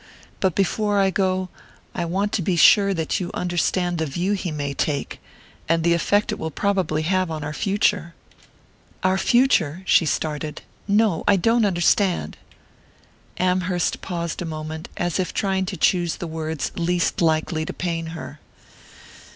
But before I go I want to be sure that you understand the view he may take...and the effect it will probably have on our future." "Our future?" She started. "No, I don't understand." Amherst paused a moment, as if trying to choose the words least likely to pain her.